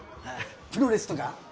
プロレスとか？